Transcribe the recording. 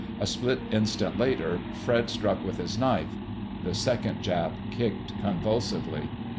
A split instant later Fred struck with his knife. The second Jap kicked convulsively.